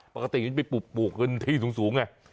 ปกติมันจะไปปลูกพรุนที่สูงไง